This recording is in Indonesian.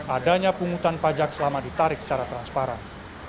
adanya pungutan pajak selama ditarik secara transparan